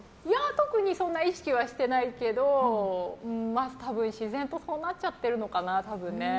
特にそんな意識はしてないけど多分、自然とそうなっちゃってるのかな。